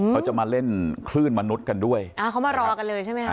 เขาจะมาเล่นคลื่นมนุษย์กันด้วยอ่าเขามารอกันเลยใช่ไหมคะ